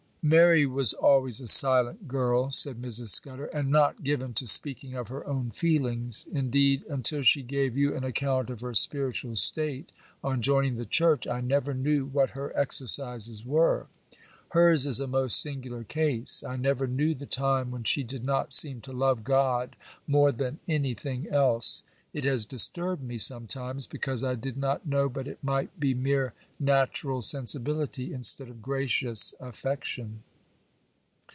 'Mary was always a silent girl,' said Mrs. Scudder, 'and not given to speaking of her own feelings; indeed, until she gave you an account of her spiritual state, on joining the church, I never knew what her exercises were. Hers is a most singular case. I never knew the time when she did not seem to love God more than anything else. It has disturbed me sometimes, because I did not know but it might be mere natural sensibility, instead of gracious affection.